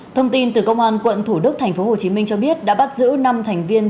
thông tin từ công an quận thủ đức tp hcm cho biết đã bắt giữ năm thành viên trong băng nhỏ